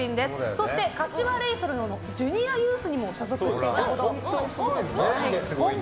そして柏レイソルのジュニアユースにも所属していたほど。